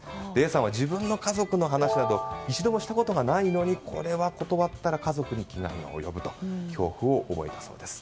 Ａさんは、自分の家族の話など一度もしたことがないのにこれは断ったら家族に被害が及ぶと恐怖を覚えたそうです。